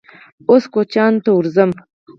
_اوس کوچيانو ته ورځم.